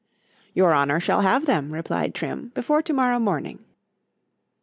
_ Your honour shall have them, replied Trim, before tomorrow morning.